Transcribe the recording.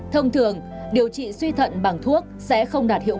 thông thường điều trị suy thận bằng thuốc sẽ không đạt hiệu quả